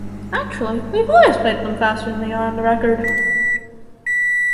Actually we've always played them faster than they are on the record.